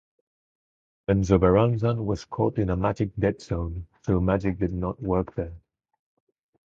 Menzoberranzan was caught in a magic dead zone, so magic did not work there.